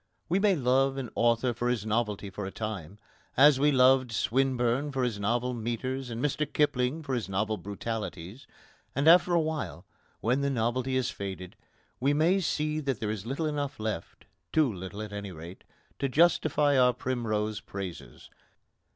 We may love an author for his novelty for a time, as we loved Swinburne for his novel metres and Mr Kipling for his novel brutalities; and after a while, when the novelty has faded, we may see that there is little enough left too little, at any rate, to justify our primrose praises.